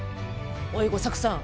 おい吾作さん。